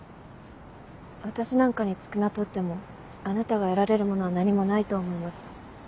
私なんかに付きまとってもあなたが得られるものは何もないと思います。